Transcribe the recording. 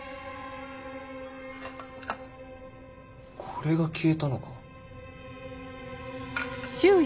これが消えたのか。